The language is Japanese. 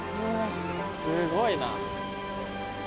すごいな。